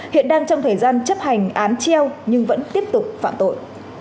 hiện đang trong thời gian chấp hành án treo nhưng vẫn tiếp tục phạm tội